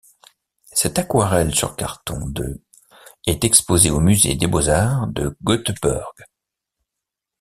Cette aquarelle sur carton de est exposée au musée des beaux-arts de Göteborg.